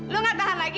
lo gak tahan lagi